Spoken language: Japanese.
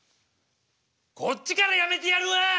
こっちからやめてやるわ！